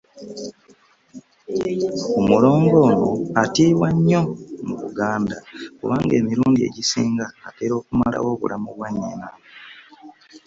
Omulongo ono atiibwa nnyo mu Buganda kubanga emirundi egisinga atera okumalawo obulamu bwa nnyina.